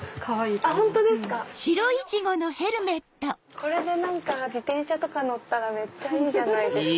これで自転車とか乗ったらめっちゃいいじゃないですか。